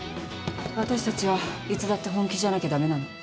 私たちはいつだって本気じゃなきゃダメなの。